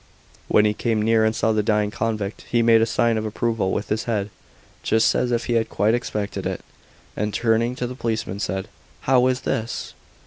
When he came near and saw the dying convict, he made a sign of approval with his head, just as if he had quite expected it, and, turning to the policeman, said, "How is this?"